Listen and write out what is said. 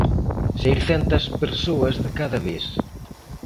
Seiscentas persoas de cada vez.